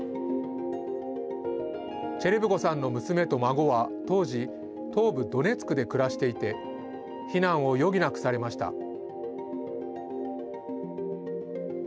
チェレブコさんの娘と孫は、当時東部ドネツクで暮らしていて避難を余儀なくされました。